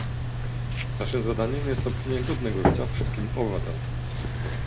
Naszym zadaniem jest zapewnienie godnego życia wszystkim obywatelom